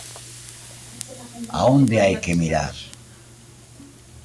A onde hai que mirar?